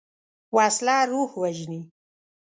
وسله روح وژني